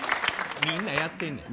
みんなやってんねん。